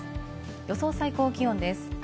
予想最高気温です。